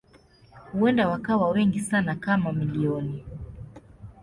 Huenda wakawa wengi sana kama milioni.